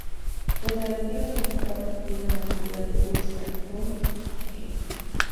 Tras el retiro, tomó parte activa en la cultura de Ulster, por ej.